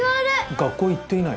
学校へ行っていない？